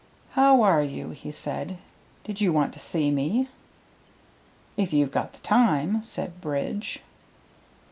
"How are you?" he said. "Did you want to see me?" "If you've got the time," said Bridge.